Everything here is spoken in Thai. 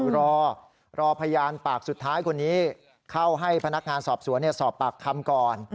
รอรอพยานปากสุดท้ายคนนี้เข้าให้พนักงานสอบสวนสอบปากคำก่อน